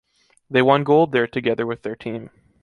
They won gold there together with their team.